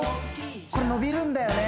これ伸びるんだよね